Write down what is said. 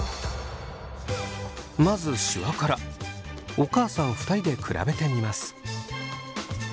まずお母さん２人で比べてみます。